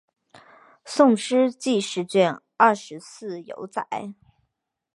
宋诗纪事卷二十四有载。